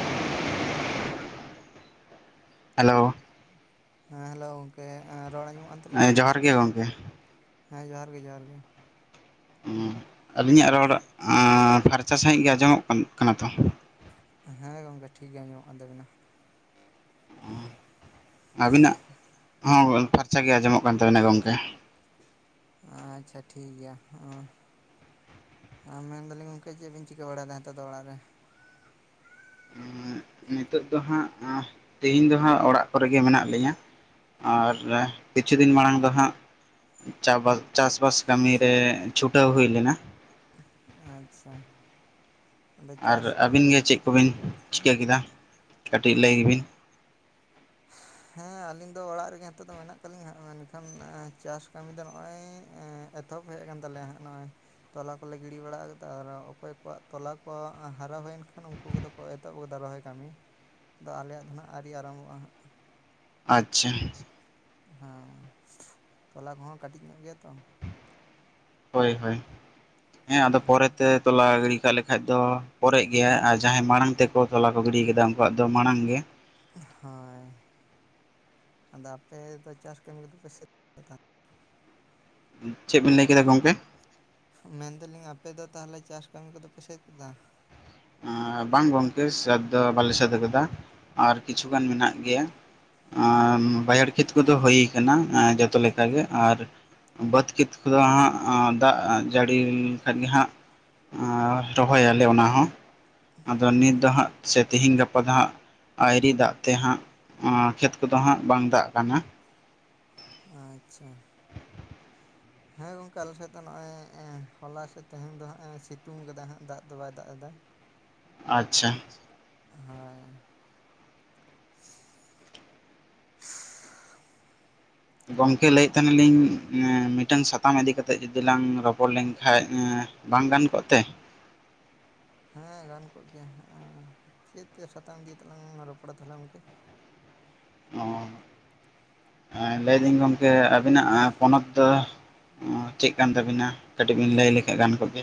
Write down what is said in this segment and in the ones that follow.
ᱛᱚ ᱦᱮᱞᱳ ᱾ ᱦᱮᱸ ᱦᱮᱞᱳ ᱜᱚᱝᱠᱮ ᱨᱚᱲ ᱟᱸᱡᱚᱢᱚᱜ ᱠᱟᱱ ᱛᱟᱹᱞᱤᱧᱟ? ᱡᱚᱦᱟᱨ ᱜᱮ ᱜᱚᱢᱠᱮ ᱦᱮ ᱡᱚᱦᱟᱨ ᱜᱮ ᱜᱚᱝᱠᱮ ᱾ ᱦᱮᱸ ᱡᱚᱦᱟᱨ ᱜᱮ ᱡᱚᱦᱟᱨ ᱜᱮ ᱾ ᱩᱸ ᱟᱹᱞᱤᱧᱟᱜ ᱨᱚᱲ ᱟᱸ ᱯᱷᱟᱨᱪᱟ ᱥᱟᱹᱦᱤᱡ ᱜᱮ ᱟᱸᱡᱚᱢᱚᱜ ᱠᱟᱱ ᱠᱟᱱᱟ ᱛᱚ? ᱦᱮᱸ ᱜᱚᱝᱠᱮ ᱴᱷᱤᱠ ᱜᱮ ᱟᱸᱡᱚᱢᱚᱜ ᱠᱟᱱ ᱛᱟᱵᱤᱱᱟ ᱾ ᱟᱵᱤᱱᱟᱜ ᱦᱚᱸ ᱯᱷᱟᱨᱪᱟ ᱜᱮ ᱟᱸᱡᱚᱢᱚᱜ ᱠᱟᱱ ᱛᱟᱵᱤᱱᱟ ᱜᱚᱝᱠᱮ ᱾ ᱟᱪᱪᱷᱟ ᱴᱷᱤᱠ ᱜᱮᱭᱟ, ᱚᱸ ᱟᱨ ᱢᱮᱱ ᱫᱟᱞᱤᱧ ᱜᱚᱝᱠᱮ ᱪᱮᱫ ᱵᱤᱱ ᱪᱤᱠᱟᱹ ᱵᱟᱲᱟᱭ ᱫᱟ ᱱᱮᱛᱚᱜ ᱫᱚ ᱚᱲᱟᱜ ᱨᱮ? ᱱᱤᱛᱚᱜ ᱫᱚ ᱦᱟᱸᱜ ᱟᱸ ᱛᱮᱹᱦᱮᱧ ᱫᱚ ᱦᱟᱸᱜ, ᱚᱲᱟᱜ ᱠᱚᱨᱮᱜᱮ ᱢᱮᱱᱟᱜ ᱞᱤᱧᱟ ᱾ ᱟᱨ ᱠᱤᱪᱷᱩ ᱫᱤᱱ ᱢᱟᱲᱟᱝ ᱫᱚ ᱦᱟᱸᱜ ᱪᱟᱵᱟ ᱪᱟᱥᱵᱟᱥ ᱠᱟᱹᱢᱤ ᱨᱮ ᱪᱷᱩᱴᱟᱹᱣ ᱦᱩᱭ ᱞᱮᱱᱟ᱾ ᱟᱪᱪᱷᱟ ᱟᱫᱚ ᱟᱨ ᱪᱟᱥ ᱠᱟᱹᱢᱤ ᱟᱹᱵᱤᱱ ᱜᱮ ᱪᱮᱜ ᱠᱚᱵᱤᱱ ᱪᱤᱠᱟᱹ ᱠᱮᱫᱟ ᱠᱟᱹᱴᱤᱡ ᱞᱟᱹᱭ ᱵᱤᱱ? ᱦᱮᱸ ᱟᱹᱞᱤᱧ ᱫᱚ ᱚᱲᱟᱜ ᱨᱮᱜᱮ ᱱᱤᱛᱚᱜ ᱫᱚ ᱢᱮᱱᱟᱜ ᱠᱟᱜ ᱞᱤᱧᱲ ᱦᱟᱸᱜ ᱢᱮᱱᱠᱷᱟᱱ ᱪᱟᱥ ᱠᱟᱹᱢᱤ ᱫᱚ ᱱᱚᱜᱼᱚᱭ ᱮᱸ ᱮᱛᱚᱦᱚᱵ ᱦᱮᱜ ᱠᱟᱱ ᱛᱟᱞᱮᱭᱟ ᱦᱟᱸᱜ ᱱᱚᱜᱼᱚᱭ ᱛᱚᱞᱟ ᱠᱚᱞᱮ ᱜᱤᱲᱤ ᱵᱟᱲᱟ ᱠᱟᱫᱟ ᱟᱨ ᱚᱠᱚᱭ ᱠᱚᱣᱟᱜ ᱛᱚᱞᱟ ᱠᱚ ᱦᱟᱨᱟ ᱦᱩᱭᱮᱱ ᱠᱷᱟᱱ ᱩᱱᱠᱩ ᱠᱚᱫᱚ ᱠᱚ ᱮᱛᱚᱦᱚᱵ ᱜᱚᱫᱟ ᱨᱚᱦᱚᱭ ᱠᱟᱹᱢᱤ ᱫᱚ ᱟᱞᱮᱭᱟᱜ ᱫᱚ ᱱᱟᱦᱟᱜ ᱟᱹᱣᱨᱤ ᱟᱨᱟᱢᱵᱷᱚᱜᱼᱟ ᱦᱟᱸᱜ᱾ ᱟᱪᱪᱷᱟ ᱦᱮᱸ ᱛᱚᱞᱟ ᱠᱚᱦᱚᱸ ᱠᱟᱹᱴᱤᱡ ᱧᱚᱜ ᱜᱮᱭᱟ ᱛᱚ᱾ ᱦᱳᱭ ᱦᱳᱭ ᱦᱮᱸ ᱟᱫᱚ ᱯᱚᱨᱮᱛᱮ ᱛᱚᱞᱟ ᱜᱤᱲᱤ ᱠᱟᱜ ᱞᱮᱠᱷᱟᱡ ᱫᱚ ᱯᱚᱨᱮᱜ ᱜᱮᱭᱟ ᱟᱨ ᱡᱟᱦᱟᱸᱭ ᱢᱟᱲᱟᱝ ᱛᱮᱠᱚ ᱛᱚᱞᱟ ᱠᱚ ᱜᱤᱰᱤᱭ ᱠᱟᱫᱟ ᱩᱝᱠᱩᱣᱟᱜ ᱫᱚ ᱢᱟᱲᱟᱝ ᱜᱮ᱾ ᱦᱳᱭ ᱟᱫᱚ ᱟᱯᱮ ᱫᱚ ᱪᱟᱥ ᱠᱟᱹᱢᱤ ᱠᱚᱫᱚ ᱯᱮ ᱥᱟᱹᱫ ᱠᱟᱫᱟ? ᱪᱮᱜ ᱵᱤᱱ ᱞᱟᱹᱭ ᱠᱮᱫᱟ ᱜᱚᱝᱠᱮ? ᱢᱮᱱᱫᱟᱞᱤᱧ ᱟᱯᱮ ᱫᱚ ᱛᱟᱦᱞᱮ ᱪᱟᱥ ᱠᱟᱹᱢᱤ ᱠᱚᱫᱚ ᱯᱮ ᱥᱟᱹᱫ ᱠᱮᱫᱟ? ᱮᱸ ᱵᱟᱝ ᱜᱚᱝᱠᱮ ᱥᱟᱹᱛ ᱫᱚ ᱵᱟᱞᱮ ᱥᱟᱹᱛ ᱠᱟᱫᱟ ᱟᱨ ᱠᱤᱪᱷᱩ ᱜᱟᱱ ᱢᱮᱱᱟᱜ ᱜᱮᱭᱟ᱾ ᱟᱸ ᱵᱟᱹᱭᱦᱟᱹᱲ ᱠᱷᱮᱛ ᱠᱚᱫᱚ ᱦᱩᱭ ᱠᱟᱱᱟ ᱟᱸ ᱡᱚᱛᱚ ᱞᱮᱠᱟᱜᱮ ᱟᱨ ᱵᱟᱹᱫᱽ ᱠᱷᱮᱛ ᱠᱚᱫᱚ ᱦᱟᱸᱜ ᱟᱸ ᱫᱟᱜ ᱡᱟᱹᱲᱤ ᱞᱮᱱᱠᱷᱟᱱ ᱜᱮ ᱦᱟᱸᱜ ᱟᱸ ᱨᱚᱦᱚᱭᱟᱞᱮ ᱚᱱᱟ ᱦᱚᱸ ᱟᱫᱚ ᱱᱤᱛ ᱫᱚᱦᱟᱸᱜ ᱥᱮ ᱛᱤᱦᱤᱧ ᱜᱟᱯᱟ ᱫᱚ ᱦᱟᱸᱜ ᱟᱭᱨᱤ ᱫᱟᱜ ᱛᱮ ᱦᱟᱸᱜ ᱟᱸ ᱠᱷᱮᱛ ᱠᱚᱫᱚ ᱦᱟᱸᱜ ᱵᱟᱝ ᱫᱟᱜ ᱠᱟᱱᱟ᱾ ᱟᱪᱪᱷᱟ [inaudible] ᱦᱮᱸ ᱜᱚᱝᱠᱮ ᱟᱞᱮᱥᱮᱫ ᱫᱚ ᱱᱚᱜᱼᱚᱭ ᱮᱸ ᱦᱚᱞᱟ ᱥᱮ ᱛᱮᱦᱮᱧ ᱫᱚ ᱦᱟᱜ ᱮ ᱥᱤᱛᱩᱝ ᱠᱟᱫᱟ ᱦᱟᱸᱜ ᱫᱟᱜ ᱫᱚ ᱵᱟᱭ ᱫᱟᱜ ᱮᱫᱟ᱾ ᱟᱪᱪᱷᱟ ᱟᱪᱪᱷᱟ ᱦᱚᱭ ᱜᱚᱝᱠᱮ ᱞᱟᱹᱭᱮᱜ ᱛᱟᱦᱮᱱᱟᱞᱤᱧ ᱮᱸ ᱢᱤᱫᱴᱟᱝ ᱥᱟᱛᱟᱢ ᱤᱫᱤ ᱠᱟᱛᱮᱜ ᱡᱩᱫᱤ ᱞᱟᱝ ᱨᱚᱯᱚᱲ ᱞᱮᱱᱠᱟᱱ ᱮᱸ ᱵᱟᱝ ᱜᱟᱱ ᱠᱚᱜ ᱛᱮ? ᱦᱮᱸ ᱜᱟᱱ ᱠᱚᱜ ᱜᱮᱭᱟ ᱮᱸ ᱪᱮᱫ ᱛᱮ ᱥᱟᱛᱟᱢ ᱫᱤᱭᱮ ᱛᱮᱞᱟᱝ ᱨᱚᱯᱚᱲᱟ ᱛᱟᱦᱞᱮ ᱜᱚᱝᱠᱮ? ᱚ ᱮᱸ ᱞᱟᱹᱭᱫᱟᱹᱧ ᱜᱚᱝᱠᱮ ᱟᱵᱤᱱᱟᱜ ᱯᱚᱱᱚᱛ ᱫᱚ? ᱚᱸ ᱪᱮᱜ ᱠᱟᱱ ᱛᱟᱵᱤᱱᱟ ᱠᱟᱹᱴᱤᱡ ᱵᱤᱱ ᱞᱟᱹᱭ ᱞᱮᱠᱷᱟᱡ ᱜᱟᱱ ᱠᱚᱜ ᱜᱮ?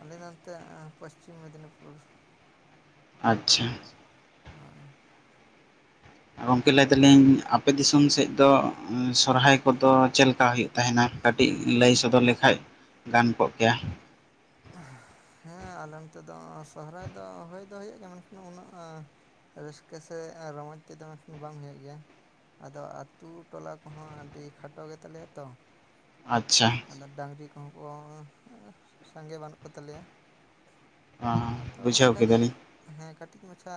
ᱟᱞᱤᱧ ᱱᱚᱱᱛᱮ ᱮᱸ ᱯᱚᱥᱪᱤᱢ ᱢᱮᱫᱽᱱᱤᱯᱩᱨ᱾ ᱟᱪᱪᱷᱟ [inaudible] ᱦᱚᱭ ᱜᱚᱝᱠᱮ ᱞᱟᱹᱭ ᱫᱟᱞᱤᱧ ᱟᱯᱮ ᱫᱤᱥᱚᱢ ᱥᱮᱜ ᱫᱚ ᱥᱚᱨᱦᱟᱭ ᱠᱚᱫᱚ ᱪᱮᱜ ᱞᱮᱠᱟ ᱦᱩᱭᱩᱜ? ᱛᱟᱦᱮᱱᱟ ᱠᱟᱹᱴᱤᱡ ᱞᱟᱹᱭ ᱥᱚᱫᱚᱨ ᱞᱮᱠᱷᱟᱡ ᱜᱟᱱ ᱠᱚᱜ ᱠᱮᱭᱟ? ᱦᱮᱸ ᱟᱞᱮ ᱚᱱᱚᱛᱮ ᱫᱚ ᱥᱚᱦᱨᱟᱭ ᱫᱚ ᱦᱩᱭ ᱫᱚ ᱦᱩᱭᱩᱜ ᱡᱮ ᱢᱮᱱᱠᱷᱟᱱ ᱩᱱᱟᱹᱜ ᱨᱟᱹᱥᱠᱟᱹ ᱥᱮ ᱮᱸ ᱨᱚᱢᱚᱡ ᱛᱮᱫᱚ ᱢᱮᱱᱠᱷᱚᱱ ᱵᱟᱝ ᱦᱩᱭᱩᱜ ᱜᱮᱭᱟ᱾ ᱟᱫᱚ ᱟᱛᱳ ᱴᱚᱞᱟ ᱠᱚᱦᱚᱸ ᱟᱹᱰᱤ ᱠᱷᱟᱴᱚ ᱜᱮᱛᱟᱞᱮᱭᱟ ᱛᱚ᱾ ᱟᱪᱪᱷᱟ ᱟᱫᱚ ᱰᱟᱹᱟᱝᱨᱤ ᱠᱚᱦᱚᱸ ᱠᱚ ᱥᱟᱸᱜᱮ ᱵᱟᱹᱱᱩᱜ ᱠᱚ ᱛᱟᱞᱮᱭᱟ᱾ ᱟᱫᱚ ᱵᱩᱡᱷᱟᱹᱣ ᱚᱝᱠᱟᱜᱮ ᱠᱮᱫᱟᱞᱤᱧ ᱦᱮᱸ ᱠᱟᱹᱴᱤᱡ ᱢᱟᱪᱷᱟ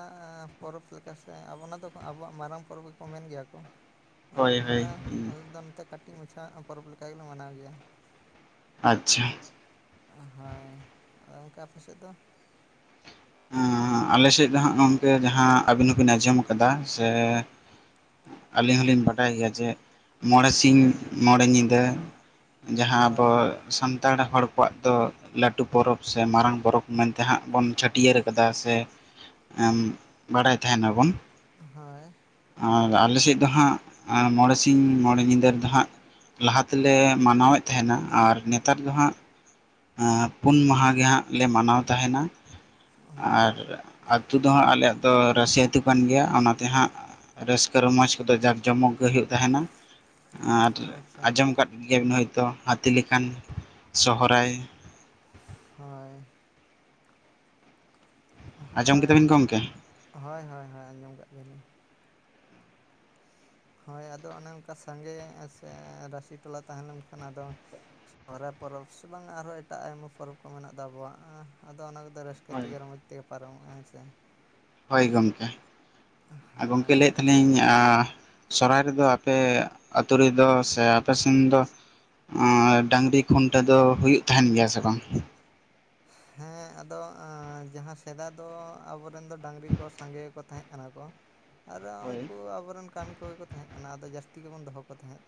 ᱯᱚᱨᱚᱵᱽ ᱞᱮᱠᱟ ᱥᱮ ᱟᱵᱚ ᱚᱱᱟ ᱫᱚ ᱟᱵᱚᱣᱟᱜ ᱢᱟᱨᱟᱝ ᱯᱚᱨᱚᱵᱽ ᱜᱮᱠᱚ ᱢᱮᱱ ᱜᱮᱭᱟ ᱠᱚ᱾ [inaudible] ᱦᱳᱭ ᱢᱮᱱᱠᱷᱟᱱ ᱦᱳᱭ ᱟᱞᱮ ᱟᱞᱮ ᱫᱚ ᱱᱚᱛᱮ ᱠᱟᱹᱴᱤᱡ ᱢᱟᱪᱷᱟ ᱯᱚᱨᱚᱵᱽ ᱞᱮᱠᱟ ᱜᱮᱞᱮ ᱢᱟᱱᱟᱣ ᱜᱮᱭᱟ᱾ ᱟᱪᱪᱷᱟ ᱦᱳᱭ ᱟᱫᱚ [unintelligible] ᱟᱯᱮ ᱥᱮᱜ ᱫᱚ? ᱮᱸ ᱟᱞᱮ ᱥᱮᱫ ᱫᱚ ᱦᱟᱸᱜ ᱜᱚᱢᱠᱮ ᱡᱟᱦᱟᱸ ᱟᱹᱵᱤᱱ ᱦᱚᱸᱵᱤᱱ ᱟᱸᱡᱚᱢ ᱠᱟᱫᱟ ᱥᱮ ᱟᱹᱞᱤᱧ ᱦᱚᱞᱤᱧ ᱵᱟᱰᱟᱭ ᱜᱮᱭᱟ ᱡᱮ ᱢᱚᱬᱮ ᱥᱤᱧ ᱢᱚᱬᱮ ᱧᱤᱫᱟᱹ ᱡᱟᱦᱟᱸ ᱟᱵᱚ ᱦᱳᱭ ᱥᱟᱱᱛᱟᱲ ᱦᱚᱲ ᱠᱚᱣᱟᱜ ᱫᱚ ᱞᱟᱹᱴᱩ ᱯᱚᱨᱚᱵᱽ ᱥᱮ ᱢᱟᱨᱟᱝ ᱯᱚᱨᱚᱵᱽ ᱢᱮᱱᱛᱮ ᱦᱟᱸᱜ ᱵᱚᱱ ᱪᱷᱟᱹᱴᱣ ᱴᱟᱹᱭᱟᱹᱨ ᱠᱟᱫᱟ ᱥᱮ ᱵᱟᱲᱟᱭ ᱛᱟᱦᱮᱱ ᱟᱵᱚᱱ ᱾ ᱦᱳᱭ ᱾ ᱟᱨ ᱟᱞᱮ ᱥᱮᱡ ᱫᱚ ᱦᱟᱸᱜ ᱢᱚᱬᱮ ᱥᱤᱧ ᱢᱚᱬᱮ ᱧᱤᱫᱟᱹ ᱨᱮᱫᱚ ᱦᱟᱸᱜ ᱞᱟᱦᱟ ᱛᱮᱞᱮ ᱢᱟᱱᱟᱣᱮᱫ ᱛᱟᱦᱮᱱᱟ, ᱟᱨ ᱱᱮᱛᱟᱨ ᱫᱚ ᱦᱟᱸᱜ ᱯᱩᱱ ᱢᱟᱦᱟ ᱜᱮ ᱦᱟᱸᱜ ᱞᱮ ᱢᱟᱱᱟᱣ ᱛᱟᱦᱮᱱᱟ ᱟᱨ ᱟᱪᱪᱷᱟ ᱟᱹᱛᱩ ᱫᱚ ᱦᱟᱸᱜ ᱟᱞᱮᱭᱟᱜ ᱫᱚ ᱨᱟᱹᱥᱤ ᱟᱹᱛᱩ ᱠᱟᱱ ᱜᱮᱭᱟ ᱚᱱᱟ ᱛᱮ ᱦᱟᱸᱜ ᱨᱟᱹᱥᱠᱟᱹ ᱨᱚᱢᱚᱡᱽ ᱠᱚᱫᱚ ᱡᱟᱠ ᱡᱚᱢᱚᱠ ᱜᱮ ᱦᱳᱭᱳᱜ ᱛᱟᱦᱮᱱᱟ ᱾ ᱟᱨ ᱟᱪᱪᱷᱟ ᱟᱸᱡᱚᱢ ᱠᱟᱫ ᱜᱮᱭᱟᱵᱤᱱ ᱦᱚᱭᱛᱳ ᱦᱟᱹᱛᱤ ᱞᱮᱠᱟᱱ ᱥᱚᱦᱨᱟᱭ ᱦᱳᱭ ᱾ ᱟᱸᱡᱚᱢ ᱦᱳᱭ ᱠᱮᱫᱟᱵᱤᱱ ᱚᱱᱟ ᱜᱚᱢᱠᱮ ᱦᱳᱭ ᱦᱳᱭ ᱦᱳᱭ ᱟᱸᱡᱚᱢ ᱠᱟᱜ ᱜᱮᱭᱟᱞᱤᱧ ᱾ ᱦᱳᱭ ᱟᱫᱚ ᱚᱱᱮ ᱚᱱᱠᱟ ᱥᱟᱸᱜᱮ ᱥᱮ ᱨᱟᱥᱤ ᱴᱚᱞᱟ ᱛᱟᱦᱮᱸ ᱞᱮᱱᱠᱷᱟᱱ ᱟᱫᱚ ᱥᱚᱦᱨᱟᱭ ᱯᱚᱨᱚᱵᱽ ᱥᱮ ᱵᱟᱝ ᱟᱨᱦᱚᱸ ᱮᱴᱟᱜ ᱟᱭᱢᱟ ᱯᱚᱨᱚᱵᱽ ᱠᱚ ᱢᱮᱱᱟᱜ ᱫᱚ ᱟᱵᱚᱣᱟᱜ ᱟᱫᱚ ᱚᱱᱟ ᱠᱚᱫᱚ ᱨᱟᱹᱥ ᱠᱟᱹ ᱦᱳᱭ ᱛᱮᱜᱮ ᱨᱚᱢᱚᱡᱽ ᱛᱮᱜᱮ ᱯᱟᱨᱚᱢᱚᱜ-ᱟ ᱦᱮᱸ ᱥᱮ ᱾ ᱦᱳᱭ ᱜᱚᱢᱠᱮ, ᱟᱨ ᱜᱚᱢᱠᱮ ᱦᱳᱭ ᱞᱟᱹᱭᱮᱫ ᱛᱟᱦᱮᱫ ᱟᱞᱤᱧ ᱟᱸ ᱥᱚᱨᱦᱟᱭ ᱨᱮᱫᱚ ᱟᱯᱮ ᱟᱹᱛᱩ ᱨᱮᱫᱚ ᱥᱮ ᱟᱯᱮ ᱥᱮᱱ ᱫᱚ ᱚᱸ ᱰᱟᱹᱝᱨᱤ ᱠᱷᱩᱱᱴᱟᱹᱣ ᱫᱚ ᱦᱩᱭᱩᱜ ᱛᱟᱦᱮᱱ ᱜᱮᱭᱟ ᱥᱮ ᱵᱟᱝ? ᱦᱮᱸ ᱟᱫᱚ ᱡᱟᱦᱟᱸ ᱥᱮᱫᱟᱭ ᱫᱚ ᱟᱵᱚᱨᱮᱱ ᱫᱚ ᱰᱟᱹᱝᱨᱤ ᱠᱚ ᱥᱟᱸᱜᱮ ᱜᱮᱠᱚ ᱛᱟᱦᱮᱸ ᱠᱟᱱᱟ ᱠᱚ ᱟᱨ ᱦᱳᱭ ᱩᱱᱠᱩ ᱟᱵᱚᱨᱮᱱ ᱠᱟᱹᱢᱤ ᱠᱚᱜᱮ ᱠᱚ ᱛᱟᱦᱮᱸ ᱠᱟᱱᱟ ᱟᱫᱚ ᱡᱟᱹᱥᱛᱤ ᱜᱮᱵᱚᱱ ᱫᱚᱦᱚ ᱠᱚ ᱛᱟᱦᱮᱸᱫ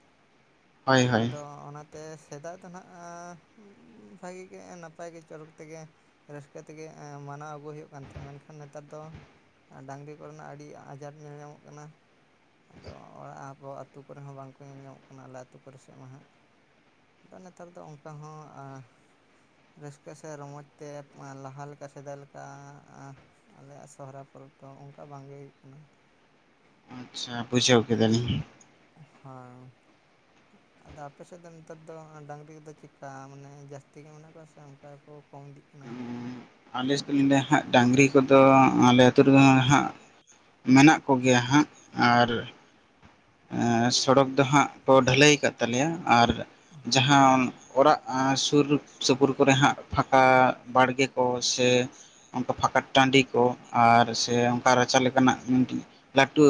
ᱦᱳᱭ ᱾ ᱦᱳᱭ ᱟᱫᱚ ᱚᱱᱟᱛᱮ ᱥᱮᱫᱟᱭ ᱫᱚ ᱦᱟᱸᱜ ᱮᱸ ᱵᱷᱟᱜᱮ ᱜᱮ ᱱᱟᱯᱟᱭ ᱜᱮ ᱪᱚᱨᱚᱠ ᱛᱮᱜᱮ ᱨᱟᱹᱥᱠᱟᱹ ᱛᱮᱜᱮ ᱢᱟᱱᱟᱣ ᱟᱹᱜᱩᱭ ᱦᱩᱭᱩᱜ ᱠᱟᱱ ᱛᱟᱦᱮᱸᱫ ᱢᱮᱱᱠᱷᱟᱱ ᱱᱮᱛᱟᱨ ᱫᱚ ᱰᱟᱹᱝᱨᱤ ᱠᱚᱨᱮᱱᱟᱜ ᱟᱹᱰᱤ ᱟᱡᱷᱟᱴ ᱧᱮᱞ ᱧᱟᱢᱚᱜ ᱠᱟᱱᱟ ᱾ ᱟᱫᱚ ᱚᱲᱟᱜ ᱟᱵᱚ ᱟᱹᱛᱩ ᱠᱚᱨᱮ ᱦᱚᱸ ᱵᱟᱝᱠᱚ ᱧᱮᱞ ᱧᱟᱢᱚᱜ ᱠᱟᱱᱟ ᱟᱞᱮ ᱟᱹᱛᱩ ᱠᱚᱨᱮ ᱥᱮᱫ ᱢᱟ ᱦᱟᱸᱜ ᱾ ᱟᱫᱚ ᱱᱮᱛᱟᱨ ᱫᱚ ᱚᱱᱠᱟ ᱦᱚᱸ ᱟᱸ ᱨᱟᱹᱥᱠᱟᱹ ᱥᱮ ᱨᱚᱢᱚᱡᱽ ᱛᱮ ᱞᱟᱦᱟ ᱞᱮᱠᱟ ᱥᱮᱫᱟᱭ ᱞᱮᱠᱟ ᱟᱞᱮᱭᱟᱜ ᱥᱚᱦᱚᱨᱟᱭ ᱯᱚᱨᱚᱵᱽ ᱫᱚ ᱚᱱᱠᱟ ᱵᱟᱝᱜᱮ ᱦᱩᱭᱩᱜ ᱠᱟᱱᱟ ᱾ ᱟᱪᱪᱷᱟ ᱵᱩᱡᱷᱟᱹᱣ ᱠᱮᱫᱟ ᱞᱤᱧ ᱾ ᱦᱮᱸ ᱾ ᱟᱫᱚ ᱟᱯᱮᱥᱮᱫ ᱫᱚ ᱱᱮᱛᱟᱨ ᱫᱚ ᱰᱟᱸᱝᱨᱤ ᱠᱚᱫᱚ ᱪᱮᱫᱠᱟ ᱢᱟᱱᱮ ᱡᱟᱹᱥᱛᱤ ᱜᱮ ᱢᱮᱱᱟᱜ ᱠᱚᱣᱟ ᱥᱮ ᱚᱱᱠᱟ ᱜᱮᱠᱚ ᱠᱚᱢ ᱤᱫᱤᱜ ᱠᱟᱱᱟ ᱾ ᱟᱞᱮ ᱥᱮᱫ ᱫᱚ ᱞᱤᱧ ᱞᱟᱹᱭᱟ ᱦᱟᱸᱜ ᱰᱟᱝᱨᱤ ᱠᱚᱫᱚ ᱟᱞᱮ ᱟᱹᱛᱩ ᱨᱮᱫᱚ ᱦᱟᱸᱜ ᱢᱮᱱᱟᱜ ᱠᱚᱜᱮᱭᱟ ᱦᱟᱸᱜ ᱟᱨ ᱮᱸ ᱥᱚᱲᱚᱠ ᱫᱚ ᱦᱟᱸᱜ ᱠᱚ ᱰᱷᱟᱹᱞᱟᱹᱭ ᱟᱠᱟᱫ ᱛᱟᱞᱮᱭᱟ, ᱟᱨ ᱦᱳᱭ ᱡᱟᱦᱟᱸ ᱚᱲᱟᱜ ᱥᱩᱨ ᱥᱩᱯᱩᱨ ᱠᱚᱨᱮ ᱦᱟᱸᱜ ᱯᱷᱟᱠᱟ ᱵᱟᱲᱜᱮ ᱠᱚ ᱥᱮ ᱚᱱᱠᱟ ᱯᱷᱟᱠᱟ ᱴᱟᱺᱰᱤ ᱠᱚ, ᱟᱨ ᱥᱮ ᱚᱱᱠᱟ ᱨᱟᱪᱟ ᱞᱮᱠᱟᱱᱟᱜ ᱢᱤᱫᱴᱤᱡ ᱞᱟᱹᱴᱩ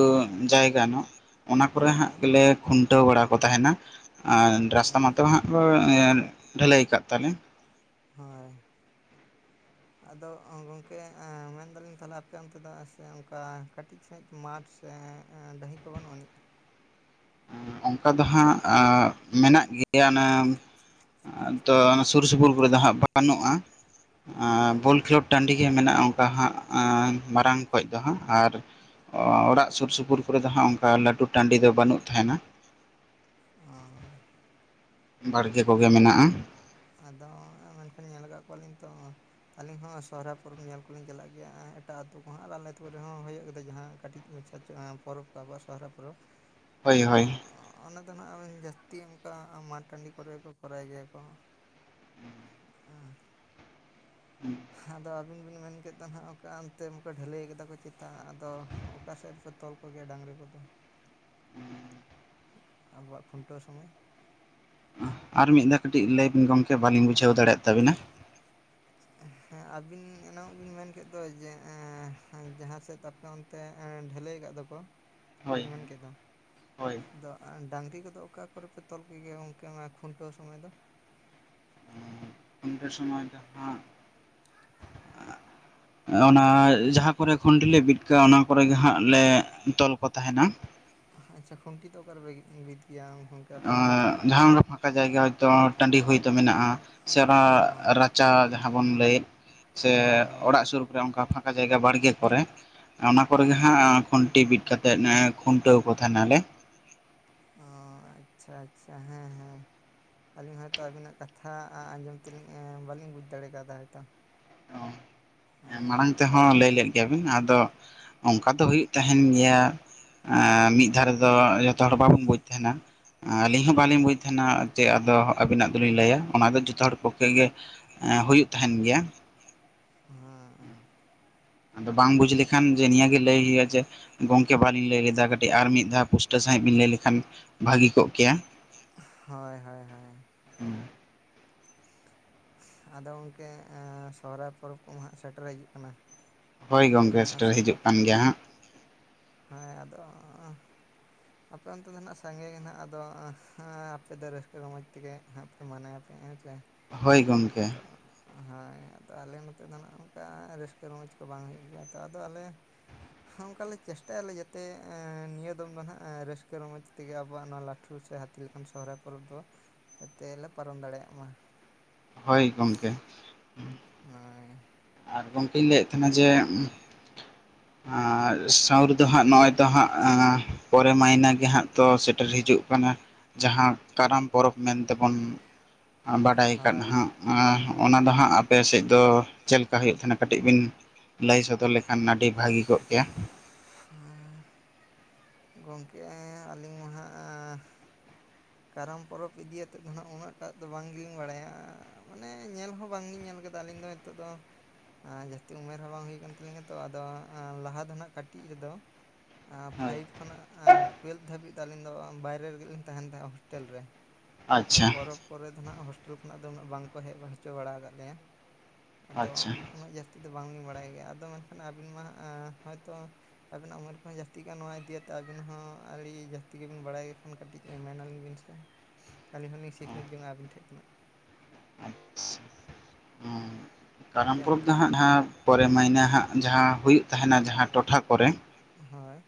ᱡᱟᱭᱜᱟ ᱧᱚᱜ, ᱚᱱᱟ ᱠᱚᱨᱮ ᱦᱟᱸᱜ ᱦᱳᱭ ᱜᱮᱞᱮ ᱠᱷᱩᱱᱴᱟᱹᱣ ᱵᱟᱲᱟ ᱠᱚ ᱛᱟᱦᱮᱱᱟ ᱾ ᱟᱨ ᱨᱟᱥᱛᱟ ᱢᱟᱛᱚ ᱟᱪᱪᱷᱟ ᱦᱟᱸᱜ ᱠᱚ ᱰᱷᱟᱹᱞᱟᱹᱭ ᱟᱠᱟᱫ ᱛᱟᱞᱮ ᱾ ᱦᱳᱭ ᱾ ᱟᱫᱚ ᱜᱚᱢᱠᱮ ᱢᱮᱱ ᱫᱟᱞᱤᱧ ᱛᱟᱦᱚᱞᱮ ᱟᱯᱮ ᱚᱱᱛᱮ ᱫᱚ ᱥᱮ ᱚᱱᱠᱟ ᱠᱟᱹᱴᱤᱡ ᱥᱟᱹᱦᱤᱡ ᱢᱟᱴᱷ ᱥᱮ ᱰᱟᱹᱦᱤ ᱠᱚ ᱵᱟᱹᱱᱩᱜ ᱟᱹᱱᱤᱡ? ᱚᱱᱠᱟ ᱫᱚ ᱦᱟᱸᱜ ᱟᱸ ᱢᱮᱱᱟᱜ ᱜᱮᱭᱟ ᱚᱱᱮ ᱛᱚ ᱚᱱᱟ ᱥᱩᱨ ᱥᱩᱯᱩᱨ ᱠᱚᱨᱮ ᱫᱚ ᱦᱟᱸᱜ ᱵᱟᱹᱱᱩᱜᱼᱟ ᱚ ᱾ ᱵᱚᱞ ᱠᱷᱮᱞᱳᱰ ᱴᱟᱺᱰᱤ ᱜᱮ ᱢᱮᱱᱟᱜᱼᱟ ᱚᱝᱠᱟ ᱦᱟᱸᱜ ᱟᱸ ᱢᱟᱨᱟᱝ ᱠᱚᱡ ᱫᱚ ᱦᱟᱸᱜ ᱟᱨ ᱚᱲᱟᱜ ᱥᱩᱨ ᱥᱩᱯᱩᱨ ᱠᱚᱨᱮ ᱫᱚ ᱦᱟᱸᱜ ᱚᱝᱠᱟ ᱞᱟᱴᱩ [inaudible] ᱚᱸᱻ᱾ ᱵᱟᱲᱜᱮ ᱠᱚᱜᱮ ᱢᱮᱱᱟᱜᱼᱟ᱾ ᱟᱫᱚ ᱢᱮᱱᱠᱷᱟᱱ ᱧᱮᱞ ᱟᱠᱟᱜ ᱠᱚᱣᱟᱞᱤᱧ ᱛᱚ, ᱟᱞᱤᱧ ᱦᱚᱸ ᱥᱚᱦᱚᱨᱟᱭ ᱯᱚᱨᱚᱵᱽ ᱧᱮᱞ ᱠᱚᱞᱤᱧ ᱪᱟᱞᱟᱜ ᱜᱮᱭᱟ ᱮᱴᱟᱜ ᱟᱹᱛᱩ ᱠᱚᱦᱚᱸ ᱟᱞᱮ ᱟᱹᱛᱩ ᱠᱚ ᱨᱮᱦᱚᱸ ᱦᱳᱭᱳᱜ ᱜᱮᱫᱚ ᱡᱟᱦᱟᱸ ᱠᱟᱹᱴᱤᱡ ᱢᱟᱪᱷᱟ [inaudible] ᱯᱚᱨᱚᱵᱽ ᱠᱚ ᱟᱵᱚᱣᱟᱜ ᱥᱚᱦᱚᱨᱟᱭ ᱯᱚᱨᱚᱵᱽ᱾ ᱦᱳᱭ ᱟᱫᱚ ᱦᱳᱭ ᱚᱱᱟ ᱫᱚ ᱱᱟᱦᱟᱜ ᱡᱟᱹᱥᱛᱤ ᱚᱝᱠᱟ ᱢᱟᱴ ᱴᱟᱺᱰᱤ ᱠᱚᱨᱮ ᱜᱮᱠᱚ ᱠᱚᱨᱟᱣ ᱜᱮᱭᱟ ᱠᱚ, ᱦᱩᱸ᱾ ᱟᱫᱚ ᱟᱵᱤᱱ ᱵᱤᱱ ᱢᱮᱱ ᱠᱮᱫ ᱫᱚ ᱱᱟᱦᱟᱜ ᱚᱠᱟ ᱚᱱᱛᱮ ᱢᱟᱠᱚ ᱰᱷᱟᱹᱞᱟᱹᱭ ᱠᱟᱫᱟ ᱠᱚ ᱪᱮᱛᱟ ᱟᱫᱚ, ᱚᱠᱟ ᱥᱮᱫ ᱨᱮᱠᱚ ᱛᱚᱞ ᱠᱚᱜᱮᱭᱟ ᱰᱟᱝᱨᱤ ᱠᱚᱫᱚ? ᱦᱩᱸᱻ᱾ ᱟᱵᱚᱣᱟᱜ ᱠᱷᱩᱱᱴᱟᱹᱣ ᱥᱚᱢᱚᱭ? ᱟᱨ ᱢᱤᱫ ᱫᱷᱟᱣ ᱠᱟᱹᱴᱤᱡ ᱞᱟᱹᱭ ᱵᱤᱱ ᱜᱚᱝᱠᱮ ᱵᱟᱹᱞᱤᱧ ᱵᱩᱡᱷᱟᱹᱣ ᱫᱟᱲᱮᱭᱟᱜ ᱛᱟᱵᱤᱱᱟ? ᱦᱮᱸ ᱟᱹᱵᱤᱱ ᱮᱱᱟᱝᱚᱜ ᱵᱤᱱ ᱢᱮᱱ ᱠᱮᱫ ᱫᱚ ᱡᱮ ᱮᱸ ᱡᱟᱦᱟᱸ ᱥᱮᱫ ᱟᱯᱮ ᱚᱱ ᱛᱮ ᱮᱸ ᱰᱷᱟᱹᱞᱟᱹᱭ ᱠᱟᱫ ᱫᱚᱠᱚ, ᱵᱤᱱ ᱦᱳᱭ ᱢᱮᱱ ᱠᱮᱫ ᱫᱚ᱾ ᱦᱳᱭ ᱟᱫᱚ ᱟᱸ ᱰᱟᱝᱨᱤ ᱠᱚᱫᱚ ᱚᱠᱟ ᱠᱚᱨᱮ ᱯᱮ ᱛᱚᱞ ᱠᱚ ᱜᱮᱭᱟ ᱜᱚᱝᱠᱮ ᱚᱱᱟ ᱠᱷᱩᱱᱴᱟᱹᱣ ᱥᱚᱢᱚᱭ ᱫᱚ? ᱴᱟᱹᱣ ᱥᱚᱢᱚᱭ ᱫᱚ ᱦᱟᱸᱜ [inaudible] ᱚᱱᱟ ᱡᱟᱦᱟᱸ ᱠᱚᱨᱮ ᱠᱷᱩᱱᱴᱤ ᱞᱮ ᱵᱤᱫ ᱠᱟᱜᱼᱟ ᱚᱱᱟ ᱠᱚᱨᱮ ᱜᱮ ᱦᱟᱸᱜ ᱞᱮ ᱛᱚᱞ ᱠᱚ ᱛᱟᱦᱮᱸᱱᱟ᱾ ᱟᱪᱪᱷᱟ ᱠᱷᱩᱱᱴᱤ ᱫᱚ ᱚᱠᱟᱨᱮ ᱵᱤᱫ ᱜᱮᱭᱟ? ᱜᱚᱝᱠᱮ ᱟᱯᱮ ᱫᱚ ᱚᱱᱛᱮ ᱫᱚ ᱚᱸ ᱡᱟᱦᱟᱸ ᱚᱱᱠᱟ ᱯᱷᱟᱸᱠᱟ ᱡᱟᱭᱜᱟ ᱦᱚᱭᱛᱳ ᱴᱟᱺᱰᱤ ᱦᱳᱭᱛᱳ ᱢᱮᱱᱟᱜᱼᱟ᱾ ᱥᱮ ᱚᱱᱟ ᱚ ᱨᱟᱪᱟ ᱡᱟᱦᱟᱸ ᱵᱚᱱ ᱞᱟᱹᱭᱮᱫ, ᱥᱮ ᱦᱳᱭ ᱦᱳᱭ ᱚᱲᱟᱜ ᱥᱩᱨᱩ ᱠᱚᱨᱮ ᱚᱝᱠᱟ ᱯᱷᱟᱸ ᱠᱟ ᱡᱟᱭᱜᱟ ᱵᱟᱲᱜᱮ ᱠᱚᱨᱮ, ᱚᱱᱟ ᱠᱚᱨᱮ ᱚ ᱜᱮ ᱦᱟᱸᱜ ᱠᱷᱩᱱᱴᱤ ᱵᱤᱫ ᱠᱟᱛᱮᱫ ᱮᱸ ᱠᱷᱩᱱᱴᱟᱹᱣ ᱠᱚ ᱛᱟᱦᱮᱸᱱᱟᱞᱮ᱾ ᱚᱻ ᱟᱪᱪᱷᱟ ᱟᱪᱪᱷᱟ ᱦᱮᱸ ᱦᱮᱸ᱾ ᱟᱹᱞᱤᱧ ᱦᱚᱭᱛᱚ ᱟᱵᱤᱱᱟᱜ ᱠᱟᱛᱷᱟ ᱟᱸ ᱟᱸᱡᱚᱢ ᱛᱮᱞᱤᱧ ᱮᱸ ᱵᱟᱞᱤᱧ ᱵᱩᱡᱽ ᱫᱟᱲᱮ ᱠᱟᱣᱫᱟ ᱦᱚᱭᱛᱚ᱾ ᱮᱸ ᱢᱟᱲᱟᱝ ᱮᱴᱟᱜ ᱛᱮᱦᱚᱸ ᱨᱚᱠᱚᱢ ᱞᱟᱹᱭ ᱠᱚ ᱞᱮᱫ ᱜᱮᱭᱟ ᱵᱤᱱ ᱟᱫᱚ ᱚᱝᱠᱟ ᱫᱚ ᱦᱩᱭᱩᱜ ᱛᱟᱦᱮᱸᱱ ᱜᱮᱭᱟ, ᱮᱸ ᱢᱤᱫ ᱫᱷᱟᱣ ᱨᱮᱫᱚ ᱡᱷᱚᱛᱚ ᱦᱚᱲ ᱵᱟᱵᱚᱱ ᱵᱩᱡᱽ ᱛᱟᱦᱮᱸᱱᱟ᱾ ᱟᱹᱞᱤᱧ ᱦᱚᱸ ᱵᱟᱞᱤᱧ ᱦᱮᱸ ᱵᱩᱡ ᱛᱟᱦᱮᱸᱱᱟ᱾ ᱡᱮ ᱟᱫᱚ ᱟᱵᱤᱱᱟᱜ ᱫᱚᱞᱤᱧ ᱞᱟᱹᱭᱟ, ᱚᱱᱟ ᱫᱚ ᱡᱷᱚᱛᱚ ᱦᱚᱲ ᱯᱚᱠᱠᱷᱮ ᱜᱮ ᱦᱩᱭᱩᱜ ᱛᱟᱦᱮᱸᱱ ᱜᱮᱭᱟ᱾ ᱦᱮᱸ᱾ ᱟᱫᱚ ᱵᱟᱝ ᱵᱩᱡᱽ ᱞᱮᱠᱷᱟᱱ ᱡᱮ ᱱᱤᱭᱟᱹ ᱜᱮ ᱞᱟᱹᱭ ᱦᱩᱭᱩᱜᱼᱟ ᱡᱮ, ᱜᱚᱝᱠᱮ ᱵᱟᱞᱤᱧ ᱞᱟᱹᱭ ᱞᱮᱫᱟ ᱠᱟᱹᱴᱤᱡ ᱟᱨ ᱢᱤᱫ ᱫᱷᱟᱣ ᱯᱩᱥ ᱴᱟᱹᱣ ᱥᱟᱺᱦᱤᱡ ᱵᱤᱱ ᱞᱟᱹᱭ ᱞᱮᱠᱷᱟᱱ, ᱵᱷᱟᱹᱜᱤ ᱠᱚᱜ ᱠᱮᱭᱟ᱾ ᱦᱳᱭ ᱦᱳᱭ ᱦᱳᱭ᱾ ᱟᱫᱚ ᱜᱚᱝᱠᱮ ᱥᱚᱦᱚᱨᱟᱭ ᱯᱚᱨᱚᱵᱽ ᱠᱚᱢᱟ ᱦᱟᱸᱜ ᱥᱮᱴᱮᱨ ᱦᱤᱡᱩᱜ ᱠᱟᱱᱟ, ᱦᱳᱭ ᱜᱚᱝᱠᱮ ᱛᱟᱦᱚᱞᱮ, ᱥᱮᱴᱮᱨ ᱦᱤᱡᱩᱜ ᱠᱟᱱ ᱜᱮᱭᱟ ᱦᱟᱸᱜ [inaudible] ᱦᱮᱸ ᱟᱫᱚ ᱟᱯᱮ ᱚᱱᱛᱮ ᱫᱚ ᱱᱟᱦᱟᱜ ᱥᱟᱸᱜᱮ ᱜᱮ ᱱᱟᱦᱟᱸᱜ ᱟᱫᱚ ᱟᱯᱮ ᱫᱚ ᱨᱟᱹᱥᱠᱟᱹ ᱨᱚᱢᱚᱡᱽ ᱛᱮᱜᱮ ᱦᱟᱸᱜ ᱢᱟᱱᱟᱭ ᱟᱯᱮ ᱦᱮᱸᱪᱮᱻ ᱦᱳᱭ ᱜᱚᱝᱠᱮ ᱟᱫᱚ ᱦᱳᱭ ᱟᱫᱚ ᱟᱞᱮ ᱱᱚᱛᱮ ᱫᱚ ᱱᱟᱦᱟᱜ ᱚᱝᱠᱟ ᱨᱟᱹᱥᱠᱟᱹ ᱨᱚᱢᱚᱡᱽ ᱠᱚ ᱵᱟᱝ ᱦᱩᱭᱩᱜ ᱜᱮᱭᱟ ᱛᱚ, ᱟᱫᱚ ᱟᱞᱮ ᱚᱝᱠᱟᱞᱮ ᱪᱮᱥᱴᱟᱭᱟᱞᱮ ᱡᱟᱛᱮ ᱮᱸ ᱱᱤᱭᱟᱹ ᱫᱚᱢ ᱫᱚ ᱱᱟᱦᱟᱜ ᱨᱟᱹᱥᱠᱟᱹ ᱨᱚᱢᱚᱡᱽ ᱛᱮᱜᱮ ᱟᱵᱚᱣᱟᱜ ᱱᱚᱣᱟ ᱞᱟᱹᱴᱷᱩ ᱥᱮ ᱦᱟ ᱛᱤ ᱞᱮᱠᱟᱱ ᱥᱚᱦᱚᱨᱟᱭ ᱯᱚᱨᱚᱵᱽ ᱫᱚ, ᱡᱟᱛᱮᱞᱮ ᱞᱮ ᱯᱟᱨᱚᱢ ᱫᱟᱲᱮᱭᱟᱜ ᱢᱟ᱾ ᱦᱳᱭ ᱜᱚᱝᱠᱮ ᱾ ᱦᱳᱭ ᱟᱨ ᱜᱚᱝᱠᱮᱧ ᱞᱟᱹᱭᱮᱜ ᱛᱟᱦᱮᱸᱱᱟ ᱡᱮ, ᱟᱨ ᱥᱟᱶᱨ ᱫᱚ ᱦᱟᱸᱜ ᱱᱚᱜᱼᱚᱭ ᱛᱚ ᱦᱟᱸᱜ ᱮᱸ ᱯᱚᱨᱮ ᱢᱟᱭᱱᱟ ᱜᱮ ᱦᱟᱸᱜ ᱛᱚ ᱥᱮᱴᱮᱨ ᱦᱤᱡᱩᱜ ᱠᱟᱱᱟ᱾ ᱡᱟᱦᱟᱸ ᱠᱟᱨᱟᱢ ᱯᱚᱨᱚᱵᱽ ᱢᱮᱱᱛᱮ ᱵᱚᱱ ᱟᱸ ᱵᱟᱰᱟᱭ ᱠᱟᱫ ᱦᱳᱭ ᱦᱟᱸᱜ ᱦᱳᱭ ᱚᱱᱟ ᱫᱚ ᱦᱟᱸᱜ ᱟᱯᱮ ᱥᱮᱡ ᱫᱚ ᱪᱮᱫ ᱞᱮᱠᱟ ᱦᱩᱭᱩᱜ ᱛᱟᱦᱮᱸᱱᱟ ᱠᱟᱹᱴᱤᱡ ᱵᱤᱱ ᱞᱟᱹᱭ ᱥᱚᱫᱚᱨ ᱞᱮᱠᱷᱟᱱ ᱟᱹᱰᱤ ᱵᱷᱟᱹᱜᱤ ᱠᱚᱜ ᱠᱮᱭᱟ? ᱦᱮᱸ ᱜᱚᱝᱠᱮ ᱟᱹᱞᱤᱧ ᱢᱟ ᱦᱟᱸᱜ ᱟᱸ ᱠᱟᱨᱟᱢ ᱯᱚᱨᱚᱵᱽ ᱤᱫᱤᱭᱟᱛᱮᱫ ᱫᱚ ᱱᱟᱦᱟᱸᱜ ᱩᱱᱟᱹᱜ ᱴᱟᱜ ᱫᱚ ᱵᱟᱝ ᱞᱤᱧ ᱵᱟᱲᱟᱭᱟ ᱢᱟᱱᱮ ᱧᱮᱞ ᱦᱚᱸ ᱵᱟᱝᱞᱤᱧ ᱧᱮᱞ ᱠᱟᱫᱟ ᱟᱹᱞᱤᱧ ᱫᱚ ᱛᱚᱜ ᱫᱚ ᱟᱸ ᱡᱟᱹᱥᱛᱤ ᱩᱢᱮᱨ ᱦᱚᱸ ᱵᱟᱝ ᱦᱩᱭ ᱠᱟᱱ ᱛᱟᱹᱟᱞᱤᱧᱟ ᱛᱚ ᱟᱫᱚ ᱮᱸ ᱞᱟᱦᱟ ᱫᱚ ᱱᱟᱦᱟᱜ ᱠᱟᱹᱴᱤᱡ ᱨᱮᱫᱚ ᱟᱸ ᱯᱷᱟᱭᱤᱵᱷ ᱠᱷᱚᱱᱟᱜ ᱴᱩᱭᱮᱞᱵᱷ ᱫᱷᱟᱹᱵᱤᱡ ᱫᱚ ᱟᱹᱞᱤᱧ ᱫᱚ ᱵᱟᱭᱨᱮ ᱨᱮᱜᱤ ᱞᱤᱧ ᱛᱟᱦᱮᱸᱱ ᱛᱟᱦᱮᱸᱜ ᱦᱳᱥ ᱴᱮᱞ ᱨᱮ ᱟᱫᱚ ᱟᱪᱪᱷᱟ ᱯᱚᱨᱚᱵᱽ ᱯᱚᱨᱮ ᱫᱚ ᱱᱟᱦᱟᱜ ᱦᱳᱥ ᱴᱮᱞ ᱠᱷᱚᱱᱟᱜ ᱫᱚ ᱩᱱᱟᱹᱜ ᱵᱟᱝᱠᱚ ᱦᱮᱡ ᱦᱚᱪᱚ ᱵᱟᱲᱟ ᱠᱟᱜ ᱞᱮᱭᱟ ᱟᱫᱚ ᱟᱪᱪᱷᱟ ᱩᱱᱟᱹᱜ ᱡᱟᱹᱥ ᱛᱤ ᱫᱚ ᱵᱟᱝ ᱞᱤᱧ ᱵᱟᱲᱟᱭ ᱜᱮᱭᱟ ᱟᱫᱚ ᱢᱮᱱᱠᱷᱟᱱ ᱟᱹᱵᱤᱱ ᱢᱟ ᱦᱟᱸᱜ ᱮᱸ ᱦᱚᱭᱛᱚ ᱟᱵᱤᱱᱟᱜ ᱩᱢᱮᱨ ᱠᱚᱦᱚᱸ ᱡᱟᱹᱥᱛᱤ ᱜᱮᱭᱟ ᱱᱚᱣᱟ ᱤᱫᱤ ᱟᱛᱮᱜ ᱟᱵᱤᱱ ᱦᱚᱸ ᱟᱹᱰᱤ ᱡᱟᱹᱥᱛᱤ ᱜᱮᱵᱤᱱ ᱵᱟᱲᱟᱭ ᱜᱮ ᱠᱷᱟᱱ ᱠᱟᱹᱴᱤᱡ ᱢᱮᱱᱟᱞᱤᱧ ᱵᱤᱱ ᱥᱮ ᱥᱮ ᱟᱹᱞᱤᱧ ᱦᱚᱸᱞᱤᱧ ᱥᱤᱠᱷᱱᱟᱹᱛ ᱡᱚᱝᱼᱟ ᱟᱹᱵᱤᱱ ᱴᱷᱮᱜ ᱠᱷᱚᱱᱟᱜ᱾ ᱟᱪᱪᱷᱟ ᱠᱟᱨᱟᱢ ᱟᱯᱮ ᱯᱚᱨᱚᱵᱽ ᱫᱚ ᱚᱱᱛᱮ ᱦᱟᱸᱜ [unintelligible] ᱯᱚᱨᱮ ᱢᱟᱭᱱᱟᱹ ᱦᱟᱸᱜ ᱡᱟᱦᱟᱸ ᱦᱩᱭᱩᱜ ᱛᱟᱦᱮᱱᱟ ᱡᱟᱦᱟᱸ ᱴᱚᱴᱷᱟ ᱠᱚᱨᱮ ᱦᱚᱭ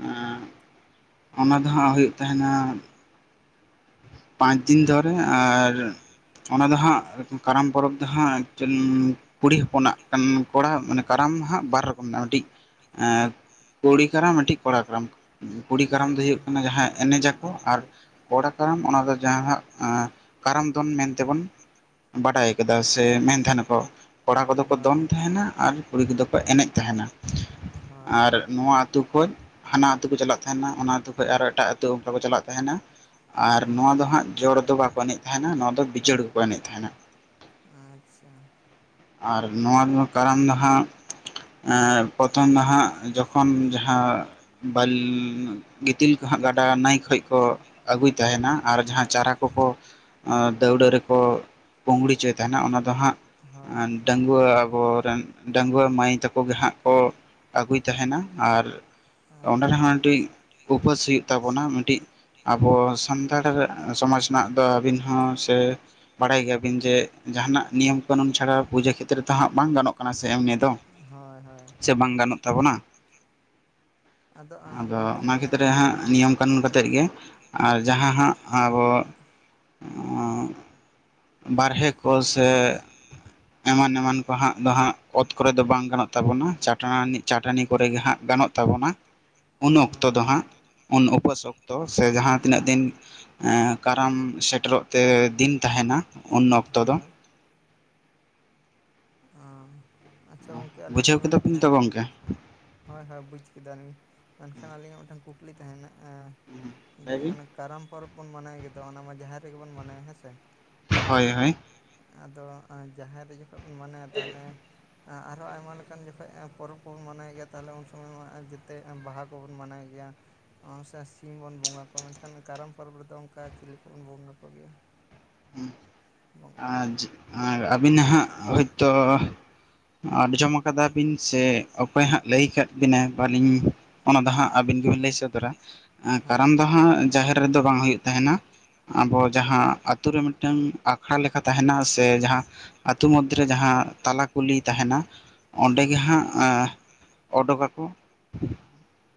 ᱟᱸ ᱚᱱᱟ ᱫᱚ ᱦᱟᱸᱜ ᱦᱩᱭᱩᱜ ᱛᱟᱦᱮᱱᱟ ᱯᱟᱸᱪ ᱫᱤᱱ ᱫᱷᱚᱨᱮ ᱟᱨ ᱚᱱᱟ ᱫᱚ ᱦᱟᱸᱜ ᱠᱟᱨᱟᱢ ᱯᱚᱨᱚᱵᱽ ᱫᱚ ᱦᱟᱸᱜ ᱴᱮᱱ ᱠᱩᱲᱤ ᱦᱚᱯᱚᱱᱟᱜ ᱠᱟᱱ ᱠᱚᱲᱟ ᱢᱟᱱᱮ ᱠᱟᱨᱟᱢ ᱦᱟᱸᱜ ᱵᱟᱨ ᱨᱚᱠᱚᱢ ᱢᱮᱱᱟᱜᱼᱟ ᱢᱤᱫᱴᱤᱡ ᱮᱸ ᱠᱩᱲᱤ ᱠᱟᱨᱟᱢ ᱢᱤᱫᱴᱤᱡ ᱠᱚᱲᱟ ᱠᱟᱨᱟᱢ᱾ ᱠᱩᱲᱤ ᱠᱟᱨᱟᱢ ᱫᱚ ᱟᱪᱪᱷᱟ ᱦᱩᱭᱩᱜ ᱠᱟᱱᱟ ᱡᱟᱦᱟᱸ ᱮᱱᱮᱡᱟ ᱠᱚ ᱟᱨ ᱠᱚᱲᱟ ᱠᱟᱨᱟᱢ ᱚᱱᱟ ᱫᱚ ᱡᱟᱦᱟᱸ ᱟᱸ ᱠᱟᱨᱟᱢ ᱫᱚᱱ ᱢᱮᱱᱛᱮ ᱵᱚᱱ ᱵᱟᱰᱟᱭ ᱠᱟᱫᱟ ᱥᱮ ᱢᱮᱱ ᱛᱟᱦᱮᱱᱟ ᱠᱚ ᱠᱚᱲᱟ ᱠᱚᱫᱚ ᱠᱚ ᱫᱚᱱ ᱦᱳᱭ ᱛᱟᱦᱮᱱᱟ ᱟᱨ ᱠᱩᱲᱤ ᱠᱚᱫᱚ ᱠᱚ ᱮᱱᱮᱡ ᱛᱟᱦᱮᱱᱟ ᱦᱳᱭ ᱟᱨ ᱱᱚᱣᱟ ᱟᱹᱛᱩ ᱠᱷᱚᱪ ᱦᱟᱱᱟ ᱟᱹᱛᱩ ᱠᱚ ᱪᱟᱞᱟᱜ ᱛᱟᱦᱮᱱᱟ ᱚᱱᱟ ᱟᱹᱛᱩ ᱠᱷᱚᱡ ᱟᱨᱦᱚ ᱮᱴᱟᱜ ᱟᱹᱛᱩ ᱚᱝᱠᱟ ᱠᱚ ᱪᱟᱞᱟᱜ ᱛᱟᱦᱮᱱᱟ᱾ ᱟᱨ ᱚ ᱱᱚᱣᱟ ᱫᱚ ᱦᱟᱸᱜ ᱡᱚᱲ ᱫᱚ ᱵᱟᱠᱚ ᱮᱱᱮᱡ ᱛᱟᱦᱮᱱᱟ ᱱᱚᱣᱟ ᱫᱚ ᱵᱤᱡᱚᱲ ᱜᱮ ᱠᱚ ᱮᱱᱮᱡ ᱛᱟᱦᱮᱱᱟ᱾ ᱟᱪᱪᱷᱟ ᱟᱨ ᱱᱚᱣᱟ ᱫᱚ ᱠᱟᱨᱟᱢ ᱫᱚ ᱦᱟᱸᱜ ᱮᱸ ᱯᱚᱛᱷᱚᱢ ᱫᱚ ᱦᱟᱸᱜ ᱡᱚᱠᱷᱚᱱ ᱡᱟᱦᱟᱸ ᱵᱟᱞᱻ ᱜᱤᱛᱤᱞ ᱠᱚ ᱦᱟᱸᱜ ᱜᱟᱰᱟ ᱱᱟᱭ ᱠᱷᱚᱡ ᱠᱚ ᱟᱹᱜᱩᱭ ᱛᱟᱦᱮᱱᱟ ᱟᱨ ᱡᱟᱦᱟᱸ ᱪᱟᱨᱟ ᱠᱚᱠᱚ ᱟᱸ ᱫᱟᱹᱣᱲᱟᱹ ᱨᱮᱠᱚ ᱯᱳᱝᱲᱩ ᱪᱚᱭ ᱛᱟᱦᱮᱱᱟ ᱚᱱᱟ ᱫᱚ ᱦᱟᱸᱜ ᱦᱳᱭ ᱟᱱ ᱰᱟᱺᱜᱩᱣᱟᱹ ᱟᱵᱚᱨᱮᱱ ᱰᱟᱺᱜᱣᱟᱹ ᱢᱟᱹᱭ ᱛᱟᱠᱚ ᱜᱮ ᱦᱟᱸᱜ ᱠᱚ ᱟᱹᱜᱩᱭ ᱛᱟᱦᱮᱱᱟ, ᱟᱨ ᱚᱸᱰᱮ ᱨᱮᱦᱚᱸ ᱟᱸᱴᱤᱡ ᱩᱯᱟᱹᱥ ᱦᱩᱭᱩᱜ ᱛᱟᱵᱚᱱᱟ ᱢᱤᱫᱴᱤᱡ ᱟᱵᱚ ᱥᱟᱱᱛᱟᱲ ᱥᱚᱢᱟᱡᱽ ᱱᱟᱜ ᱫᱚ ᱟᱹᱵᱤᱱ ᱦᱚᱸ ᱥᱮ ᱵᱟᱲᱟᱭ ᱜᱮᱭᱟ ᱵᱤᱱ ᱡᱮ ᱡᱟᱦᱟᱱᱟᱜ ᱱᱤᱭᱚᱢ ᱠᱟᱹᱱᱩᱱ ᱪᱷᱟᱲᱟ ᱯᱩᱡᱟᱹ ᱠᱷᱮᱛᱨᱮ ᱛᱚ ᱦᱟᱸᱜ ᱵᱟᱝ ᱜᱟᱱᱚᱜ ᱠᱟᱱᱟ ᱥᱮ ᱮᱢᱱᱤ ᱫᱚ ᱦᱳᱭ ᱦᱳᱭ ᱛᱮ ᱵᱟᱝ ᱜᱟᱱᱚᱜ ᱛᱟᱵᱚᱱᱟ ᱟᱫᱚ ᱜᱚᱢᱠᱮ ᱚᱱᱟ ᱞᱤᱧ ᱢᱮᱱᱮᱫ ᱠᱷᱮᱛᱨᱮ ᱛᱟᱦᱮᱸᱫ ᱦᱟᱸᱜ ᱱᱤᱭᱚᱢ ᱠᱟᱹᱱᱩᱱ ᱠᱟᱛᱮᱫ ᱜᱮ ᱟᱨ ᱡᱟᱦᱟᱸ ᱦᱟᱸᱜ ᱟᱵᱚ ᱚᱸ ᱵᱟᱨᱦᱮ ᱠᱚᱞ ᱥᱮ ᱮᱢᱟᱱ ᱮᱢᱟᱱ ᱠᱚ ᱦᱟᱸᱜ ᱫᱚ ᱦᱟᱸᱜ ᱚᱛ ᱠᱚᱨᱮ ᱫᱚ ᱵᱟᱝ ᱜᱟᱱᱚᱜ ᱛᱟᱵᱚᱱᱟ ᱪᱟᱴᱟᱱ ᱪᱟᱴᱟᱱᱤ ᱠᱚᱨᱮ ᱜᱮ ᱦᱟᱸᱜ ᱜᱟᱱᱚᱜ ᱛᱟᱵᱚᱱᱟ ᱩᱱ ᱚᱠᱛᱚ ᱫᱚ ᱦᱳᱭ ᱦᱟᱸᱜ ᱩᱱ ᱩᱯᱟᱹᱥ ᱚᱠ ᱛᱚ ᱥᱮ ᱡᱟᱦᱟᱸ ᱛᱤᱱᱟᱹᱜ ᱫᱤᱱ ᱠᱟᱨᱟᱢ ᱥᱮᱴᱮᱨᱚᱜ ᱛᱮ ᱫᱤᱱ ᱛᱟᱦᱮᱱᱟ ᱾ ᱩᱱ ᱚᱠᱛᱚ ᱫᱚ ᱦᱳᱭ ᱟᱸᱻ ᱟᱪᱪᱷᱟ ᱜᱚᱢᱠᱮ ᱟᱹᱞᱤᱧ ᱞᱤᱧ ᱵᱩᱡᱷᱟᱹᱣ ᱠᱮᱫᱟ ᱢᱮᱱᱮᱫ ᱵᱤᱱ ᱛᱚ ᱛᱟᱦᱮᱸᱫ ᱜᱚᱝᱠᱮ ᱦᱳᱭ ᱦᱳᱭ ᱵᱩᱡᱽ ᱠᱮᱫᱟᱞᱤᱧ, ᱢᱮᱱᱠᱷᱟᱱ ᱟᱹᱞᱤᱧᱟᱜ ᱢᱤᱫᱴᱟᱝ ᱠᱩᱠᱞᱤ ᱛᱟᱦᱮᱱᱟᱜ ᱟᱸᱻ ᱡᱮ ᱚᱱᱟ ᱠᱟᱨᱟᱢ ᱯᱚᱨᱚᱵᱽ ᱵᱚᱱ ᱢᱟᱱᱟᱭ ᱜᱮ ᱫᱚ ᱚᱱᱟ ᱢᱟ ᱡᱟᱦᱮᱨ ᱨᱮᱜᱮ ᱵᱚᱱ ᱢᱟᱱᱟᱭᱟ ᱦᱮᱸ ᱥᱮ? ᱦᱳᱭ ᱦᱳᱭ ᱾ ᱟᱫᱚ ᱟ ᱡᱟᱦᱮᱨ ᱨᱮ ᱡᱚᱠᱷᱚᱜ ᱵᱚᱱ ᱢᱟᱱᱟᱭᱟ ᱛᱟᱦᱚᱞᱮ ᱟᱸ ᱟᱨᱦᱚᱸ ᱟᱭᱢᱟ ᱞᱮᱠᱟᱱ ᱡᱚᱠᱷᱚᱡ ᱟᱸ ᱯᱚᱨᱚᱵᱽ ᱠᱚ ᱵᱚᱱ ᱢᱟᱱᱟᱣ ᱜᱮᱭᱟ ᱛᱟᱦᱚᱞᱮ ᱩᱱ ᱥᱚᱢᱚᱭ ᱢᱟ ᱟᱸ ᱡᱮᱛᱮ ᱟᱸ ᱵᱟᱦᱟ ᱠᱚᱵᱚᱱ ᱢᱟᱱᱟᱭ ᱜᱮᱭᱟ ᱚᱸ ᱥᱮ ᱥᱤᱢ ᱵᱚᱱ ᱵᱚᱸᱜᱟ ᱠᱚᱣᱟ ᱢᱮᱱᱠᱷᱟᱱ ᱠᱟᱨᱟᱢ ᱯᱚᱨᱚᱵᱽ ᱨᱮᱫᱚ ᱚᱱᱠᱟ ᱪᱤᱞᱤ ᱠᱚᱵᱚᱱ ᱵᱚᱸᱜᱟ ᱠᱚᱜᱮᱭᱟ? ᱵᱚᱸᱜᱟ ᱟᱸᱡ ᱟᱸᱻᱟᱹᱵᱤᱱ ᱱᱟᱦᱟᱜ [unintelligible] ᱛᱚᱻ ᱟᱰᱡᱚᱢ ᱠᱟᱫᱟ ᱵᱤᱱ ᱥᱮ ᱚᱠᱚᱭ ᱦᱟᱸᱜ ᱞᱟᱹᱭ ᱠᱟᱫ ᱵᱤᱱᱟᱭ? ᱵᱟᱞᱤᱧ ᱚᱱᱟ ᱫᱚ ᱦᱟᱸᱜ ᱟᱹᱵᱤᱱ ᱜᱮᱵᱤᱱ ᱞᱟᱹᱭ ᱥᱚᱫᱚᱨᱟ ᱟᱸ ᱦᱮᱸ ᱠᱟᱨᱟᱢ ᱫᱚ ᱦᱟᱸᱜ ᱡᱟᱦᱮᱨ ᱨᱮᱫᱚ ᱵᱟᱝ ᱦᱩᱭᱩᱜ ᱛᱟᱦᱮᱱᱟ ᱟᱵᱚ ᱟᱪᱪᱷᱟ ᱡᱟᱦᱟᱸ ᱟᱛ ᱟᱛᱩ ᱨᱮ ᱢᱤᱫᱴᱟᱝ ᱟᱠᱷᱲᱟ ᱞᱮᱠᱟ ᱛᱟᱦᱮᱱᱟ ᱥᱮ ᱡᱟᱦᱟᱸ ᱟᱛᱩ ᱢᱚᱫᱽᱫᱷᱮ ᱨᱮ ᱡᱟᱦᱟᱸ ᱛᱟᱞᱟ ᱠᱩᱞᱦᱤ ᱛᱟᱦᱮᱱᱟ ᱚᱸᱰᱮ ᱜᱮ ᱦᱟᱸᱜ ᱚ ᱟᱸᱻ ᱚᱰᱳᱜ ᱟᱠᱚ ᱾